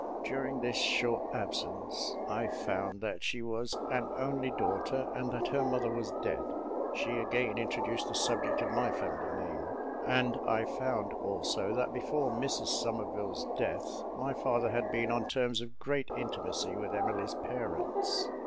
During this short absence, I found out that she was an only daughter, and that her mother was dead; she again introduced the subject of my family name, and I found also that before Mrs Somerville's death, my father had been on terms of great intimacy with Emily's parents.